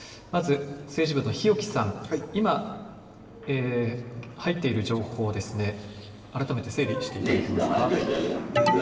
まず政治部の日置さん、今入っている情報、改めて整理していただけますか。